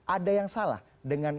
ada yang salah dengan